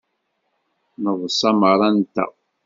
Neḍsa merra-nteɣ.